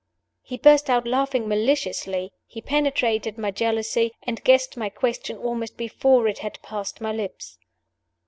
He burst out laughing maliciously, he penetrated my jealousy, and guessed my question almost before it had passed my lips.